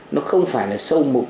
nó không phải là sâu mục